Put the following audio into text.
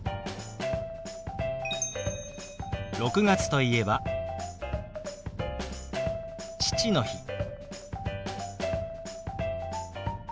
６月といえば「父の日」。